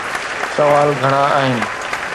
سوال گهڻا آهن.